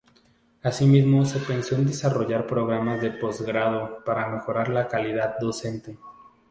Asimismo se pensó en desarrollar programas de post-grado para mejorar la calidad docente.